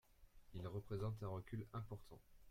Il représente un recul important.